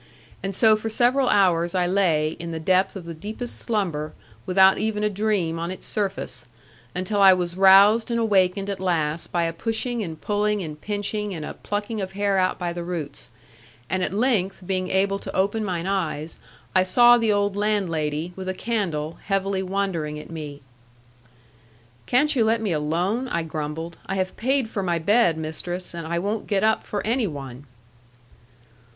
And so for several hours I lay, in the depth of the deepest slumber, without even a dream on its surface; until I was roused and awakened at last by a pushing, and pulling, and pinching, and a plucking of hair out by the roots. And at length, being able to open mine eyes, I saw the old landlady, with a candle, heavily wondering at me. 'Can't you let me alone?' I grumbled. 'I have paid for my bed, mistress; and I won't get up for any one.'